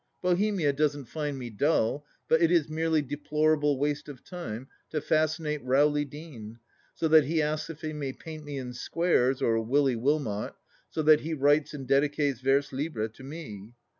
Bohemia doesn't find me dull, but it is merely deplorable waste of time to fascinate Rowley Deane, so that he asks if he may paint me in squares, or Willie Wilmot, so that he writes and dedicates vers libres to me.